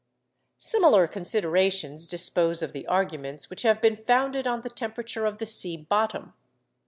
Similar considerations dispose of the arguments which have been founded on the temperature of the sea bottom.